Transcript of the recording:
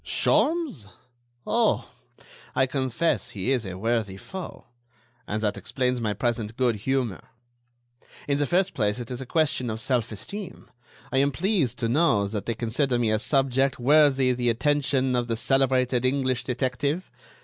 "Sholmes? Oh! I confess he is a worthy foe; and that explains my present good humor. In the first place, it is a question of self esteem; I am pleased to know that they consider me a subject worthy the attention of the celebrated English detective.